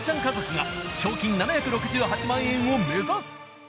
家族が賞金７６８万円を目指す！